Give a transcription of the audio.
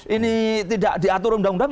ini tidak diatur undang undang